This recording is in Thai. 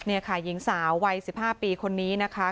นี่ค่ะหญิงสาววัย๑๕ปีคนนี้นะคะ